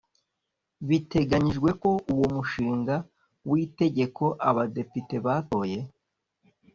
Biteganyijwe ko uwo mushinga w’Itegeko Abadepite batoye